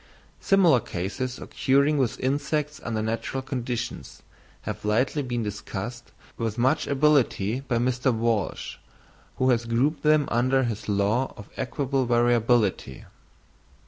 Similar cases occurring with insects under natural conditions have lately been discussed with much ability by Mr. Walsh, who has grouped them under his law of equable variability.